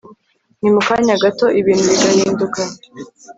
ni mu kanya gato ibintu bigahinduka